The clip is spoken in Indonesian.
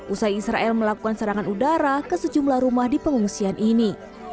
usai israel melakukan serangan udara ke sejumlah rumah di pengungsian ini